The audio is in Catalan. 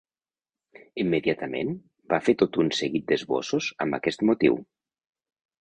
Immediatament va fer tot un seguit d'esbossos amb aquest motiu.